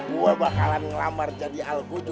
gue bakalan ngelamar jadi al qur